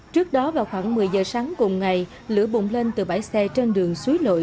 trước đó vào khoảng một mươi giờ sáng cùng ngày lửa bùng lên từ bãi xe trên đường suối nội